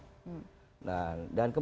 masa yang berakhir